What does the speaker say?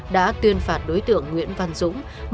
đã tuyên phạt đối tượng nguyễn văn dũng